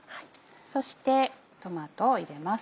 そしてトマトを入れます。